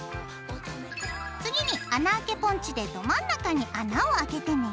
次に穴あけポンチでど真ん中に穴を開けてね。